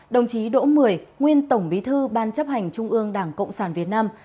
đồng chí đỗ mười nguyên tổng bí thư ban chấp hành trung ương đảng cộng sản việt nam